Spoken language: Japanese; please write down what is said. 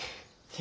え？